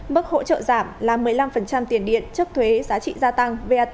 mức hỗ trợ giảm là một mươi năm tiền điện trước thuế giá trị gia tăng vat